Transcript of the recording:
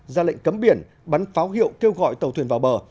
ra lệnh cấm biển bắn pháo hiệu kêu gọi tàu thuyền vào bờ